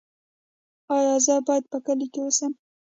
ایا زه باید په کلي کې اوسم؟